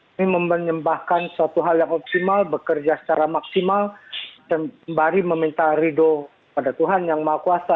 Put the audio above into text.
ini menyembahkan suatu hal yang optimal bekerja secara maksimal sembari meminta ridho pada tuhan yang maha kuasa